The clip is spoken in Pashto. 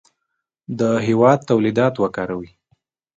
د هېواد تولیدات وکاروئ.